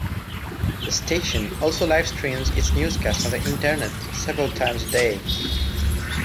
The station also live streams its newscasts on the internet several times a day.